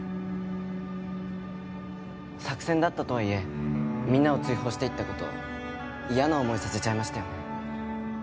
作戦だったとはいえみんなを追放していった事嫌な思いさせちゃいましたよね。